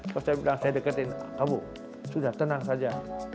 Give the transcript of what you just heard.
lalu saya bilang saya deketin qabo sudah tenang saja